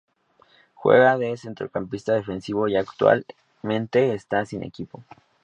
Juega de centrocampista defensivo y actualmente está sin equipo.